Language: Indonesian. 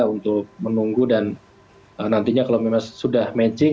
untuk menunggu dan nantinya kalau memang sudah matching